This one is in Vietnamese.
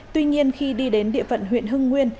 tuy nhiên khi đi đến địa phận huyện hưng nguyên